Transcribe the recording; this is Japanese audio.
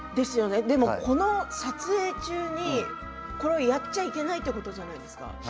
この撮影中にやっちゃいけないということじゃないですか。